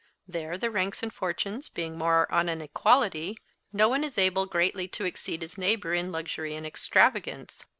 There the ranks and fortunes being more on an equality, no one is able greatly to exceed his neighbour in luxury and extravagance.